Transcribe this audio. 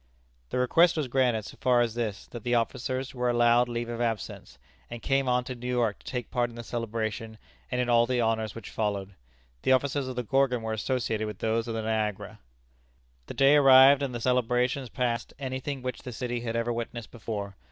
The request was granted so far as this, that the officers were allowed leave of absence, and came on to New York to take part in the celebration, and in all the honors which followed, the officers of the Gorgon were associated with those of the Niagara. The day arrived, and the celebration surpassed any thing which the city had ever witnessed before.